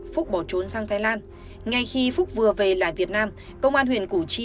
phúc bỏ trốn sang thái lan ngay khi phúc vừa về lại việt nam công an huyện củ chi